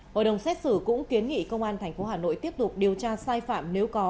hội đồng xét xử cũng kiến nghị công an tp hà nội tiếp tục điều tra sai phạm nếu có